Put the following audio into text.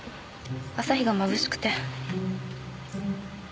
朝日がまぶしくて。